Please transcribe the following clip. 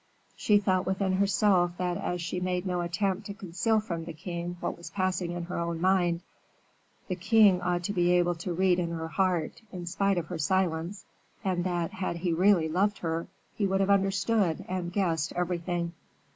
She thought within herself that as she made no attempt to conceal from the king what was passing in her own mind, the king ought to be able to read in her heart, in spite of her silence; and that, had he really loved her, he would have understood and guessed everything.